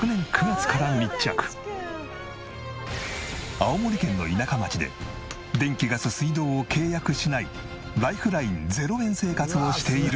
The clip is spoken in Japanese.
青森県の田舎町で電気ガス水道を契約しないライフライン０円生活をしている。